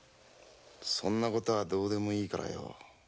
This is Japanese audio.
そんな事はどうでもいいからよ。